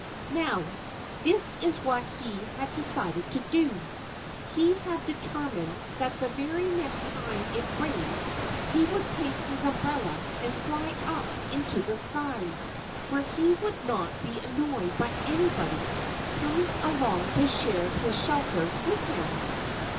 Now, this is what he had decided to do: He had determined that the very next time it rained he would take his umbrella and fly up into the sky, where he would not be annoyed by anybody coming along to share his shelter with him.